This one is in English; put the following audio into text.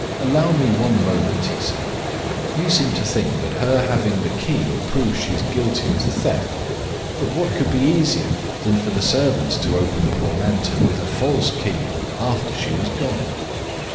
"Allow me one moment," he said. "You seem to think that her having the key proves she is guilty of the theft; but what could be easier than for the servants to open the portmanteau with a false key after she was gone?"